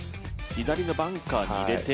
左のバンカーに入れて。